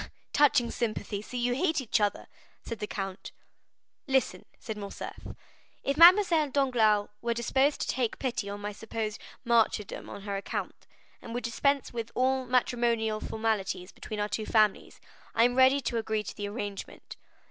"Touching sympathy! So you hate each other?" said the count. "Listen," said Morcerf—"if Mademoiselle Danglars were disposed to take pity on my supposed martyrdom on her account, and would dispense with all matrimonial formalities between our two families, I am ready to agree to the arrangement.